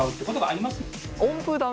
あ。